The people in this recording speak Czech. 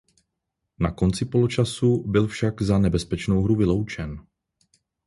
Na konci poločasu byl však za nebezpečnou hru vyloučen.